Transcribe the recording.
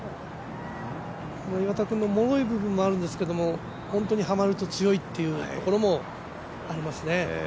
岩田君のもろい部分もあるんですけど本当にはまると強いっていうところがありますね。